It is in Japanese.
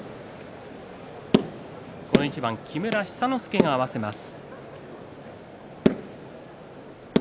この一番、木村寿之介が合わせます。